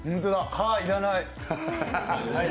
歯、いらない。